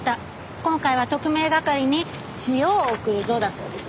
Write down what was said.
今回は特命係に塩を送るぞだそうです。